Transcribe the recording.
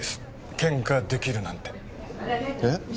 ケンカできるなんてえっ？